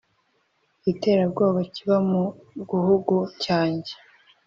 iterabwoba kiba mu guhugu cyanjye.